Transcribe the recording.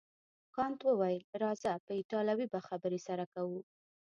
کانت وویل راځه په ایټالوي به خبرې سره کوو.